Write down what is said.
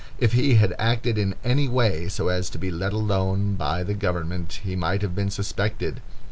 If he had acted in any way so as to be let alone by the government, he might have been suspected.